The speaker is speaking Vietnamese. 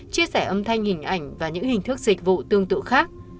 chia sẻ âm thanh hình ảnh và những hình thức dịch vụ tương tự khác